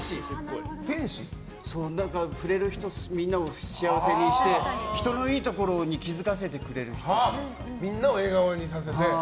触れる人みんなを幸せにして人のいいところに気づかせてくれる人じゃみんなを笑顔にさせて。